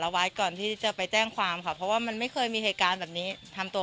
วันนี้ในช่วงรวมหลายมัทมันอื่นแล้ว